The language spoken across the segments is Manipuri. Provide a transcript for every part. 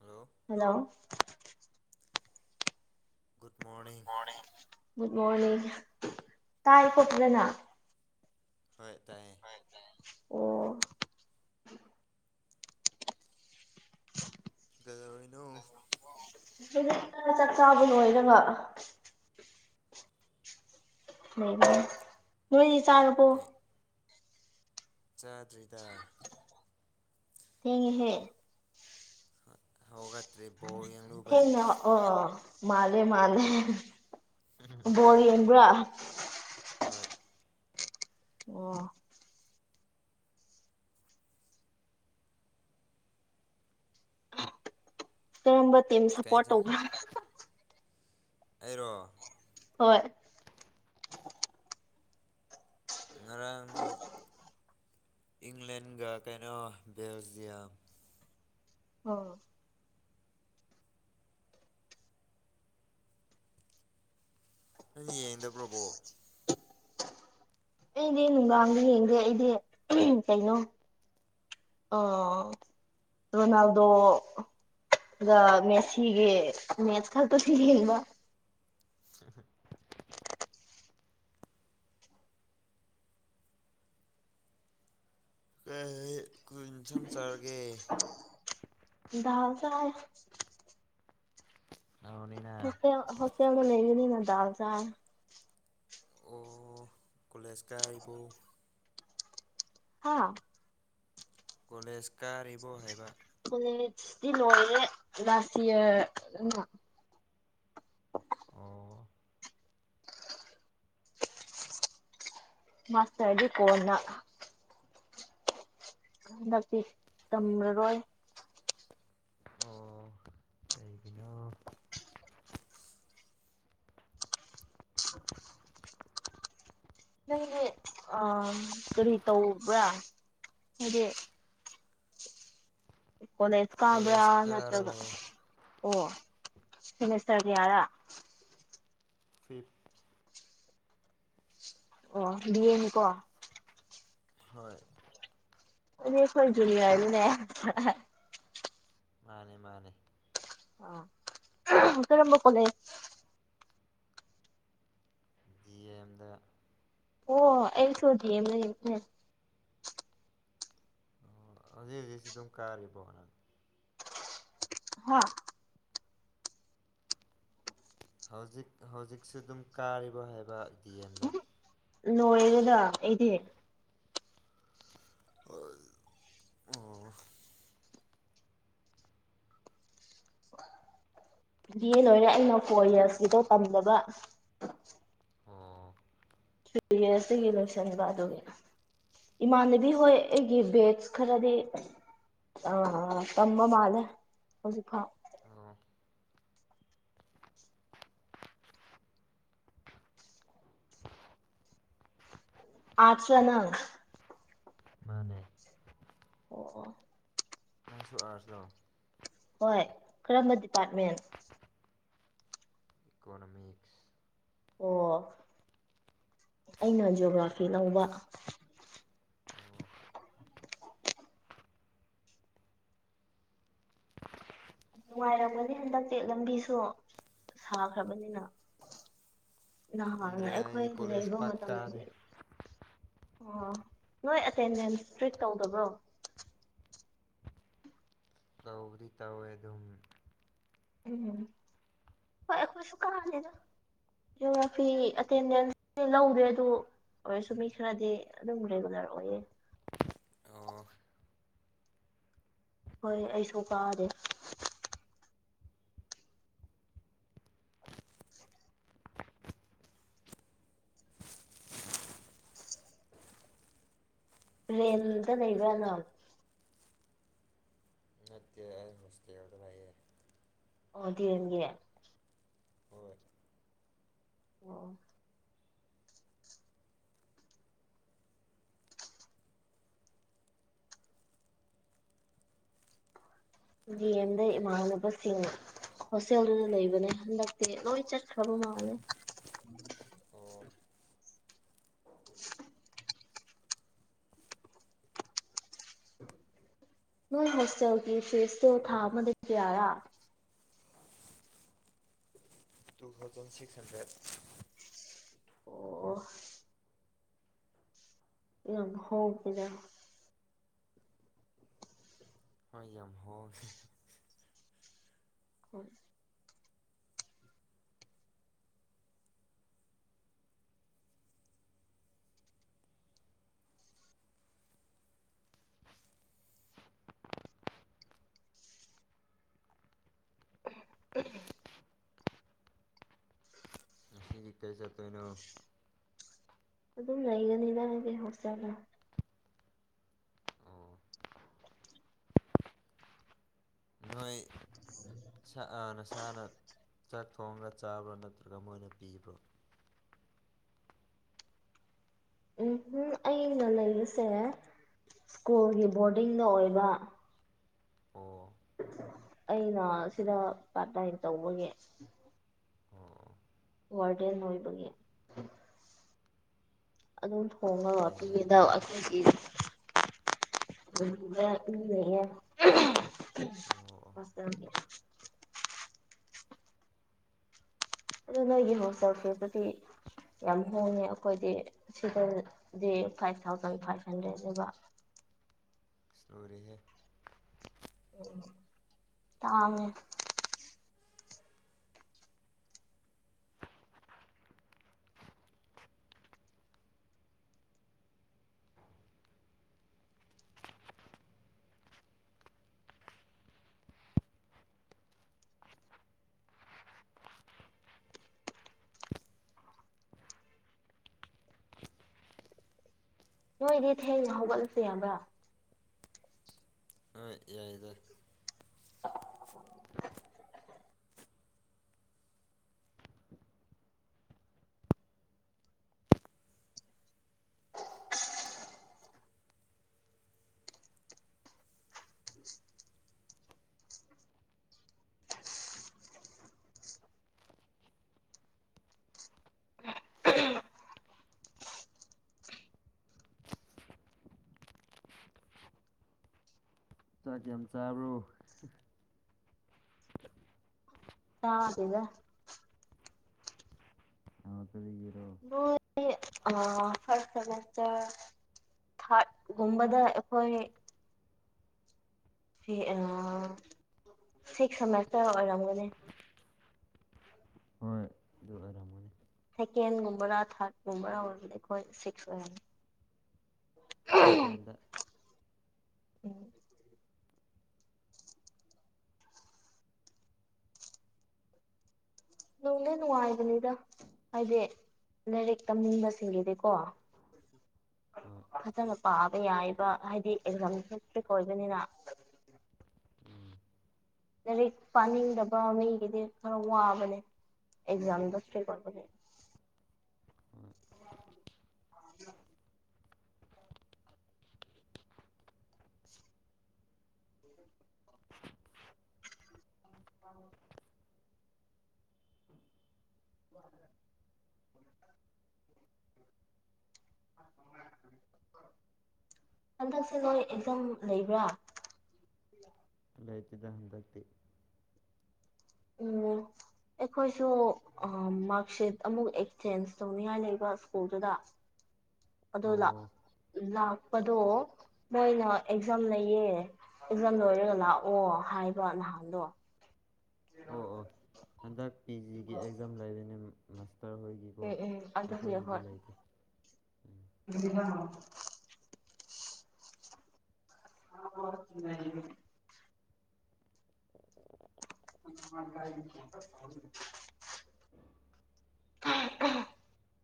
ꯍꯜꯂꯣ ꯍꯂꯣ ꯒꯨꯗ ꯃꯣꯔꯅꯤꯡ ꯗ ꯃꯣꯔꯅꯤꯡ ꯇꯥꯏ ꯀꯣꯠꯇꯗꯅꯥ ꯍꯣꯏ ꯇꯥꯏ ꯑꯣ ꯀꯩꯗꯧꯔꯤꯅꯣ ꯆꯥꯛ ꯆꯥꯕ ꯂꯣꯏꯗ ꯉ ꯂꯩ ꯅꯣꯏꯗꯤ ꯆꯥꯔꯨꯄꯣ ꯀꯩ ꯆꯥꯗ꯭ꯔꯤꯗ ꯊꯦꯡꯉ ꯍꯦ ꯍ ꯊꯦꯡꯅ ꯑꯣ ꯃꯥꯂꯦ ꯃꯥꯂꯦ ꯣꯔꯤꯟꯕ꯭ꯔꯥ ꯍꯣꯏ ꯑꯣ ꯀꯔꯝꯕ ꯇꯤꯝ ꯀꯩ ꯁꯞꯄꯣꯔꯠ ꯏꯟꯁꯥꯡ ꯇꯧꯕ꯭ꯔꯥ ꯑꯩꯔꯣ ꯍꯣꯏ ꯉꯔꯥꯡꯗꯨ ꯏꯪꯂꯦꯟꯒ ꯀꯩꯅꯣ ꯕꯦꯜꯖꯤꯌꯝ ꯑꯣ ꯌꯦꯗ ꯄ꯭ꯔꯕꯣ ꯑꯩꯗꯤ ꯅꯨꯡꯗꯥꯡꯗꯤ ꯌꯦꯡꯗꯦ ꯑꯩꯗꯤ ꯀꯩꯅꯣ ꯑ ꯔ ꯅꯜꯗ ꯑꯗꯨꯒ ꯃꯦꯁꯤꯒꯤ ꯃꯦꯁ ꯈꯛꯇꯁꯨ ꯌꯦꯡꯕ ꯎ ꯀ ꯀꯨꯏꯟ ꯁꯪ ꯆꯔꯒꯦ ꯥ ꯆ ꯍꯥꯏ ꯅꯥꯎꯅꯤꯅ ꯍ ꯍꯐꯌꯥꯅ ꯂꯩꯅꯤꯅ ꯗ ꯆꯥ ꯑꯣ ꯀꯣꯂꯦꯖꯀꯥꯔꯤꯕ ꯍꯥꯥ ꯀꯣꯂꯦꯖ ꯀꯥꯔꯤꯕꯣ ꯍꯥꯏꯕ ꯁꯤꯤ ꯂꯣꯏꯦ ꯂꯁꯤ ꯑꯣ ꯃꯥꯁ ꯍꯥꯏꯗꯤ ꯄꯗ ꯍꯟꯗꯛꯇꯤ ꯇꯝꯃꯔꯣꯏ ꯑꯣ ꯑꯩꯒꯤꯅ ꯅꯪꯗꯤ ꯑ ꯀꯔꯤ ꯇꯧꯕ꯭ꯔꯥ ꯍꯥꯏꯗꯤ ꯀꯣꯂꯦꯁ ꯀꯥꯕ꯭ꯔ ꯀꯣꯂꯦꯖ ꯀꯥꯔ ꯅꯠꯇ꯭ꯔꯒ ꯂꯩꯌꯦ ꯑꯣ ꯁꯦꯃꯤꯁꯇꯔꯒꯤ ꯑꯔ ꯐꯤꯞ ꯑꯣ ꯑꯦꯅꯤꯀꯣ ꯍꯣꯏ ꯑ ꯈꯣꯏ ꯨꯅꯤ ꯑꯣꯏꯅꯦ ꯃꯥꯅꯦ ꯃꯥꯅꯦ ꯑꯇ ꯔꯝꯕ ꯄꯣꯂꯦ ꯖꯤ ꯑ ꯑꯦꯝꯗ ꯑꯣ ꯑ ꯁꯣꯖꯤ ꯑꯣ ꯍꯧꯖꯤꯛ ꯍꯧꯖꯤꯛꯁꯨ ꯑꯗꯨꯝ ꯀꯥꯔꯤꯕꯣ ꯅ ꯍꯥꯥ ꯍꯧꯖꯤꯛ ꯍꯧꯖꯤꯛꯁꯨ ꯑꯗꯨꯝ ꯀꯥꯔꯤꯕꯣ ꯍꯥꯏꯕ ꯇꯤ ꯑꯦꯝꯗ ꯅꯣꯏꯦꯗꯗ ꯑꯩꯗꯤ ꯑ ꯕꯤ ꯑꯦ ꯂꯣꯏꯔꯦ ꯑꯩꯅ ꯀꯣꯂꯖꯀꯤꯗꯣ ꯇꯝꯗꯕ ꯑꯣ ꯊ꯭ꯔꯤ ꯌꯔꯁꯇꯒꯤ ꯂꯣꯏꯁꯟꯂꯕ ꯑꯗꯨꯒꯤ ꯏꯃꯥꯟꯅꯕꯤ ꯍꯣꯏ ꯑꯩꯒꯤ ꯕꯦꯠꯁ ꯈꯔꯗꯤ ꯑ ꯀꯃ ꯃꯥꯂꯦ ꯍꯧꯖꯤꯛ ꯐꯥꯎ ꯑꯣ ꯑꯆꯅ ꯃꯥꯅꯦ ꯑꯣ ꯑꯣ ꯅꯪꯁꯨ ꯑꯥꯔꯖ ꯂꯑꯣ ꯍꯣꯏ ꯀꯔꯝꯕ ꯗꯤꯄꯥꯔꯠꯃꯦꯟ ꯏꯀꯣꯅꯣꯃꯤꯛꯁ ꯑꯣ ꯑꯩꯅ ꯖꯤꯑꯣꯒ꯭ꯔꯥꯐꯤ ꯂꯧꯕ ꯑꯣ ꯅꯨꯡꯉꯥꯏꯔꯕꯗꯤ ꯍꯟꯗꯛꯇꯤ ꯂꯝꯕꯤꯁꯨ ꯁꯥꯈ꯭ꯔꯕꯅꯤꯅ ꯅꯍꯥꯟ ꯈꯪꯗ꯭ꯔꯦꯗ ꯑꯩꯈꯣꯏ ꯑꯩꯗꯤ ꯀꯣꯂꯦꯖ ꯂꯩꯕ ꯄꯥꯛ ꯀꯥꯗꯦ ꯃꯇꯝꯗꯗꯤ ꯑꯣ ꯅꯣꯏ ꯑꯦꯇꯦꯟꯗꯦꯟꯁ ꯏꯁꯇ꯭ꯔꯤꯛ ꯇꯧꯗꯕ꯭ꯔꯣ ꯇꯧꯔꯤ ꯇꯧꯋꯦ ꯑꯗꯨꯝ ꯎꯝ ꯍꯣꯏ ꯑꯩꯈꯣꯏꯁꯨ ꯀꯥꯅꯦꯗ ꯒ ꯐꯤ ꯑꯦꯇꯦꯟꯗꯦꯟꯁ ꯂꯧꯗꯦ ꯑꯗꯨ ꯑꯣꯏꯔꯁꯨ ꯃꯤ ꯈꯔꯗꯤ ꯑꯗꯨꯝ ꯔꯦꯒꯨꯂꯔ ꯑꯣꯏꯌꯦ ꯑꯣ ꯍꯣꯏ ꯑꯩꯁꯨ ꯀꯥꯗꯦ ꯔꯗ ꯂꯩꯕꯅ ꯃꯁꯇꯦ ꯑꯗꯨꯗ ꯂꯩꯑꯌꯦ ꯑꯣꯗꯤꯗꯤꯦ ꯍꯣꯏ ꯎ ꯖꯤꯗꯃꯅꯕꯁꯤꯡ ꯍꯣꯁꯇꯦꯜꯗꯨꯅ ꯂꯩꯕꯅꯦ ꯍꯟꯗꯛꯇꯤ ꯅꯣꯏ ꯆꯠꯈ꯭ꯔꯕ ꯃꯥꯑꯣꯅꯦ [unintelligible] [unintelligible] [unintelligible] ꯅꯣꯏ ꯍꯣꯁꯇꯦꯜꯒꯤ ꯐꯤꯁꯇꯨ ꯊꯥ ꯑꯃꯗꯒꯤ ꯀꯌꯥꯔꯥ ꯇꯨ ꯊꯥꯎꯖꯟ ꯁꯤꯛꯁ ꯍꯟꯗ꯭ꯔꯦꯠ ꯑꯣ ꯑ ꯍꯥꯎ ꯀꯗ ꯌꯥꯝ ꯍꯥꯎꯦ ꯍꯣꯏ [unintelligible] ꯀꯦ ꯆꯠꯇꯩꯅꯣ ꯑꯗꯨꯝ ꯂꯩꯒꯅꯤ ꯅꯪꯒꯤ ꯍꯣꯁꯇꯥꯦꯜꯗ ꯑꯣ ꯅꯣꯏ ꯏꯁ ꯅꯁꯥꯅ ꯆꯥꯛ ꯊꯣꯡꯉꯒ ꯆꯥꯕ꯭ꯔꯣ ꯅꯠꯇ꯭ꯔꯒ ꯃꯣꯏꯅ ꯄꯤꯕ꯭ꯔꯣ ꯎꯝꯝ ꯑꯩ ꯅꯅꯥ ꯏꯁꯔꯦ ꯁ꯭ꯀꯨꯜꯒꯤ ꯕꯣꯔꯗꯤꯡꯅ ꯑꯣꯏꯕ ꯑꯣ ꯑꯩꯅ ꯁꯤꯗ ꯄꯥꯔꯠ ꯇꯥꯏꯝ ꯇꯧꯕꯒꯤ ꯑꯣ ꯋꯥꯔꯗ ꯑꯣꯏꯕꯒꯤ ꯑꯗꯨꯝ ꯊꯣꯡꯉꯒ ꯄꯤꯒꯗ ꯍꯌꯦꯡꯅꯦ ꯑꯩꯈꯣꯏꯒꯤ ꯑꯣ [unintelligible] ꯑꯣ ꯐꯁ [unintelligible] ꯑꯗꯨ ꯅꯣꯏꯒꯤ ꯍꯧꯣꯇꯛꯁꯤꯦꯕꯨꯗꯤ ꯌꯥꯝ ꯍꯣꯡꯉꯦ ꯑꯩꯈꯣꯏꯗꯤ ꯁꯤꯗꯗꯤ ꯐꯥꯏꯚ ꯊꯥꯎꯖꯟ ꯐꯥꯏꯚ ꯍꯟꯗ꯭ꯔꯦꯗꯅꯦꯕ [unintelligible] ꯏꯁꯇꯣꯔꯤꯒꯤꯦ ꯇꯃꯦ ꯅꯣꯏꯗꯤ ꯊꯦꯡꯅ ꯍꯧꯒꯠꯂꯁ ꯌꯥꯕ꯭ꯔꯥ ꯑ ꯌꯥꯏꯗ [unintelligible] [unintelligible] ꯆꯊ ꯆ ꯑꯕ꯭ꯔꯣ ꯑꯗꯗ ꯑꯣ ꯀꯔꯤꯒꯤꯔꯣ ꯑ ꯐꯔ ꯁꯇ ꯊꯥꯒꯨꯝꯕꯗ ꯑꯩꯈꯣꯏ ꯁꯤ ꯑ ꯁꯤꯛꯁ ꯁꯔꯇ ꯑꯣꯏꯔꯝꯒꯅꯤ ꯍꯣꯏ ꯑꯗꯨ ꯑꯔꯝꯅꯦ ꯁꯦꯀꯦꯟꯒꯨꯝꯕꯔꯥ ꯊꯥꯔꯠꯀꯨꯝꯕꯔꯥ ꯑꯣꯏꯔꯗꯤ ꯑꯩꯈꯣꯏ ꯁꯤꯛꯁ ꯑꯣꯏꯔꯅꯤ ꯁꯤꯦꯠꯇꯗ ꯎꯝ ꯅꯨꯡꯅꯦ ꯅꯨꯡꯉꯥꯏꯗꯅꯤꯗ ꯍꯥꯏꯗꯤ ꯂꯥꯏꯔꯤꯛ ꯇꯝꯅꯤꯡꯕꯁꯤꯡꯒꯤꯗꯤꯀꯣ ꯑ ꯐꯖꯅ ꯄꯥꯕ ꯌꯥꯏꯕ ꯍꯥꯏꯗꯤ ꯑꯦꯛꯖꯥꯝ ꯐꯔꯤꯛ ꯑꯣꯏꯕꯅꯤꯅ ꯎꯝ ꯂꯥꯏꯔꯤꯛ ꯄꯥꯅꯤꯡꯗꯕ ꯃꯤꯒꯤꯗꯤ ꯈꯔ ꯋꯥꯕꯅꯦ ꯑꯦꯖꯥꯡꯗꯁꯇꯦ ꯀꯣꯔꯕꯅꯤ ꯍꯣꯏ ꯑ [unintelligible] ꯇ ꯎ [unintelligible] [unintelligible] ꯍꯟꯗꯛꯁꯦ ꯅꯣꯏ ꯑꯦꯖꯝ ꯂꯩꯕ꯭ꯔꯥ ꯥꯏꯇꯗ ꯍꯟꯗꯦ ꯎ ꯑꯩꯈꯣꯏꯁꯨ ꯃꯥꯔꯛꯁꯤꯠ ꯑꯃꯨꯛ ꯑꯦꯛꯆꯦꯟꯖ ꯇꯧꯅꯤꯉꯥꯏ ꯂꯩꯕ ꯁ꯭ꯀꯨꯜꯗꯨꯗ ꯑꯣ ꯂꯥꯛꯄꯗꯣ ꯅꯣꯏꯅ ꯑꯦꯛꯖꯥꯝ ꯂꯩꯌꯦ ꯑꯦꯛꯖꯥꯝ ꯂꯣꯏꯔꯒ ꯂꯥꯛꯑꯣ ꯍꯥꯏꯕ ꯅꯍꯥꯟꯗꯣ ꯑꯣ ꯑꯣ ꯍꯟꯗꯛ ꯄꯤ ꯖꯤꯒꯤ ꯑꯦꯛꯖꯥꯝ ꯂꯩꯔꯤꯅꯦꯃꯤ ꯎꯝ ꯎꯝ ꯑꯗꯨꯗ ꯍ ꯍꯣꯏ ꯑꯩꯈꯣꯏꯒꯤꯗꯤ ꯂꯩꯇꯦ ꯎꯝ ꯑꯗꯨ [unintelligible] [unintelligible] [unintelligible]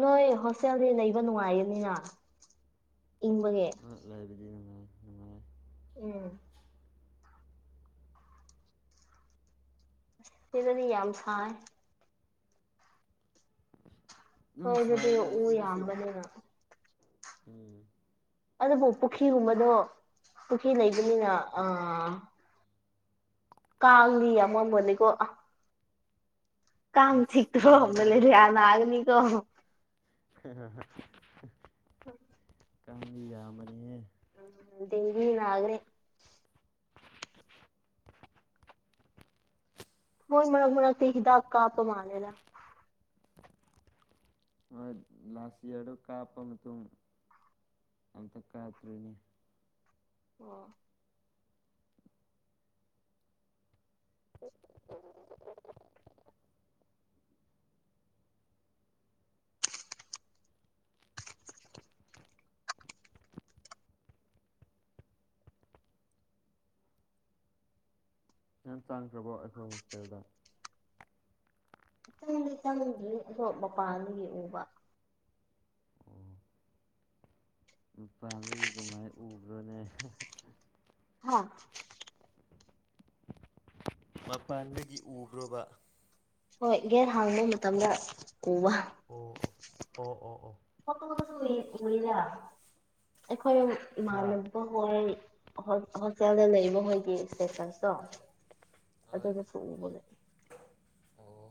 ꯅꯣꯏ ꯍꯣꯁꯇꯦꯜꯗꯤ ꯂꯩꯕ ꯅꯨꯡꯉꯥꯏꯌꯦꯅꯤꯅ ꯑ ꯂꯥꯏꯕꯔꯤ ꯎꯝ ꯁꯤꯗꯗꯤ ꯌꯥꯝꯁꯥꯏ ꯍ ꯑꯗꯨꯝ ꯑꯗꯨꯗꯤ ꯁꯥꯏꯗ ꯎ ꯑꯁꯤꯗꯁꯨ ꯌꯥꯝꯕꯅꯤꯅ ꯎꯝ ꯑꯗꯨꯕꯨ ꯄꯨꯈ꯭ꯔꯤꯒꯨꯝꯕꯗꯣ ꯄꯨꯈ꯭ꯔꯤ ꯂꯩꯕꯅꯤꯅ ꯑ ꯀꯥꯡꯉ ꯌꯥꯝꯃꯅꯤꯀꯣ ꯀꯝ ꯑꯁ ꯊ ꯊꯣꯛ꯭ꯔ ꯃ ꯀꯥꯡꯗꯤ ꯊꯌꯥꯅꯒꯅꯤ ꯀ [unintelligible] ꯎꯝ ꯀꯕꯤ ꯌꯥ ꯑꯃꯅꯤꯅꯤꯦ ꯎꯗꯦ ꯏꯅꯤ ꯅꯒ꯭ꯔꯦ ꯍ ꯃꯛ ꯃꯛ ꯁꯤꯗ ꯀꯥꯄ ꯃꯥꯥꯂꯗ ꯑ ꯂꯁꯤꯌꯥꯔ ꯀꯥꯄ ꯑꯃꯁꯨꯡ ꯊꯨꯡ ꯑꯇ ꯀꯥꯇꯔꯤꯅꯦ ꯑꯣ ꯎ ꯌꯥꯝ ꯆꯥꯡꯈ꯭ꯔꯕꯣ ꯑꯩꯈꯣꯏ ꯍꯣꯁꯄꯤꯇꯥꯜꯗ ꯏꯈꯤꯇꯪꯗꯤꯇꯪꯗꯤ ꯑꯗꯣ ꯃꯄꯥꯟꯗꯒꯤ ꯎꯕ ꯐꯃꯤꯂꯤꯒꯤ ꯀꯃꯥꯏꯅ ꯎꯕ꯭ꯔꯣꯅꯦ ꯍꯥꯥ ꯃꯄꯥꯟꯗꯒꯤ ꯎꯕ꯭ꯔꯕ ꯍꯣꯏ ꯒꯦꯔ ꯍꯥꯡꯕ ꯃꯇꯝꯗ ꯎꯕ ꯑꯣ ꯑꯣ ꯑꯣ ꯑꯣ ꯑꯣ ꯎꯏꯔ ꯑꯩꯈꯣꯏ ꯍꯥ ꯏꯃꯥꯟꯅꯕ ꯍ ꯍꯛꯁꯦꯜꯗ ꯂꯩꯔꯤꯕ ꯃꯈꯣꯏꯒꯤ ꯏꯁꯇꯦꯇꯁꯇꯣ ꯍꯣꯏ ꯑꯗꯨꯅ ꯐꯂꯛꯏ ꯑꯣ